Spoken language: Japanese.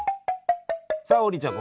さあ王林ちゃん